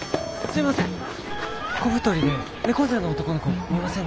すいません。